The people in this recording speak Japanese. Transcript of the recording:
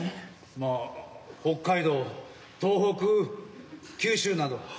まあ北海道東北九州など。